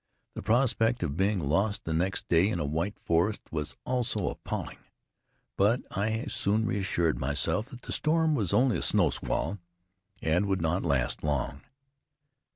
The prospect of being lost the next day in a white forest was also appalling, but I soon reassured myself that the storm was only a snow squall, and would not last long.